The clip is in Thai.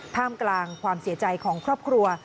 ท่ามกลางความเสียใจของครอบครัว